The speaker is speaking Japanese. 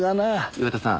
岩田さん。